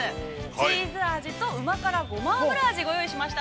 チーズ味と旨辛ごま油味をご用意しました。